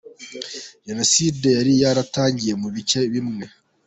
Jenoside yari yaratangiye mu bice bimwe.